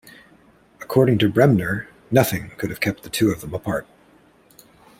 According to Bremner, Nothing could have kept the two of them apart.